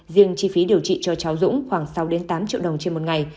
riêng chi phí điều trị cho cháu dũng khoảng sáu tám triệu đồng trên một ngày